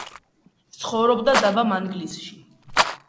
ცხოვრობდა დაბა მანგლისში.